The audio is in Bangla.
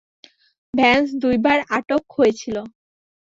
ভ্যান্স দুইবার আটক হয়েছিল।